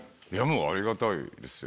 ありがたいですよ。